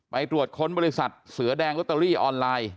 ไปตรวจค้นบริษัทเสือแดงลอตเตอรี่ออนไลน์